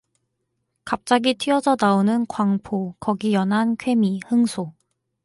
갑자기 튀어져 나오는 광포, 거기 연한 쾌미, 흥소